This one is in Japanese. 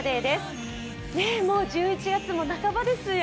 もう１１月も半ばですよ。